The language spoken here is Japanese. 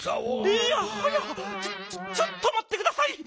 いやはやちょっとまってください！